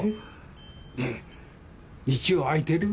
ええ？ねえ日曜空いてる？